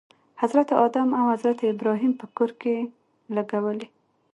حضرت آدم او حضرت ابراهیم په کور کې لګولی.